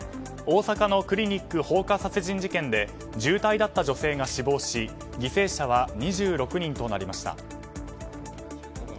大阪のクリニック放火殺人事件で重体だった女性が死亡し犠牲者は２６人となりました。